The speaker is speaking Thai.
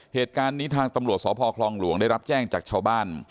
เหตุการณ์นี้ทางตำรวจสพคลองหลวงได้รับแจ้งจากชาวบ้าน